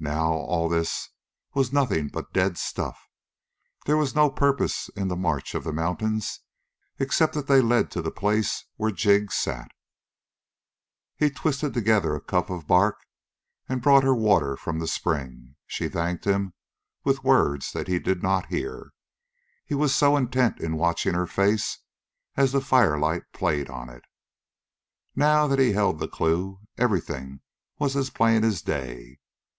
Now all this was nothing but dead stuff. There was no purpose in the march of the mountains except that they led to the place where Jig sat. He twisted together a cup of bark and brought her water from the spring. She thanked him with words that he did not hear, he was so intent in watching her face, as the firelight played on it. Now that he held the clue, everything was as plain as day.